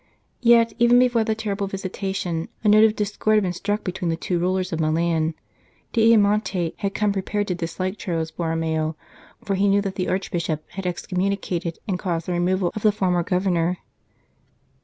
Yet even before the terrible visitation, a note of discord had been struck between the two rulers of Milan. D Ayamonte had come prepared to dis like Charles Borromeo, for he knew that the Archbishop had excommunicated and caused the removal of the former Governor.